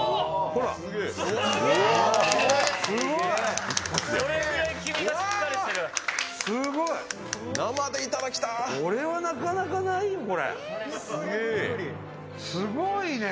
これはなかなかないよ、すごいね。